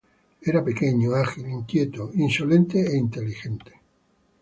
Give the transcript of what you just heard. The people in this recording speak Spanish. Era pequeño, ágil, inquieto, insolente e inteligente.